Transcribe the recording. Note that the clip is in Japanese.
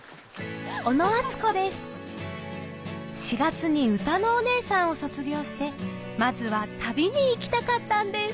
小野あつこです４月にうたのおねえさんを卒業してまずは旅に行きたかったんです！